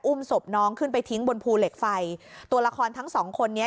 ศพน้องขึ้นไปทิ้งบนภูเหล็กไฟตัวละครทั้งสองคนนี้